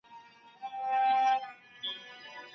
ټولنیز مهارتونه په ټولنه کي ستاسو مقام لوړوي.